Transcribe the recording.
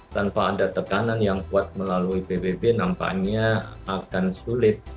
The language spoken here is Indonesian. tanpa ada tekanan yang kuat melalui pbb nampaknya akan sulit